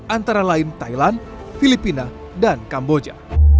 antara lain thailand filipina dan kamboja